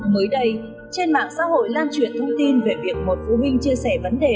mới đây trên mạng xã hội lan truyền thông tin về việc một phụ huynh chia sẻ vấn đề